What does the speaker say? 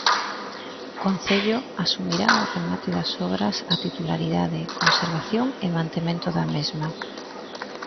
O Concello asumirá, ao remate das obras, a titularidade, conservación e mantemento da mesma.